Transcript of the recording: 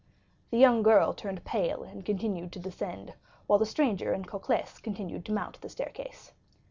The young girl turned pale and continued to descend, while the stranger and Cocles continued to mount the staircase.